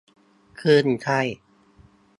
คลื่นไส้